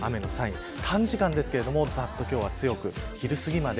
短時間ですけど、ざっと今日は強く昼すぎまで